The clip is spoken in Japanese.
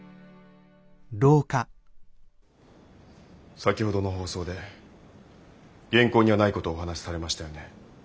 先ほどの放送で原稿にはない事をお話しされましたよね。